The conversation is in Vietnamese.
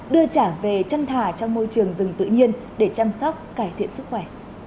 đưa trả về chân thả trong môi trường rừng tự nhiên để chăm sóc cải thiện sức khỏe